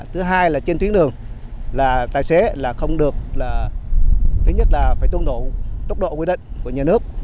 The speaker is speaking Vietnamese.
thứ hai là trên tuyến đường tài xế không được thứ nhất là phải tuân thủ tốc độ quy định của nhà nước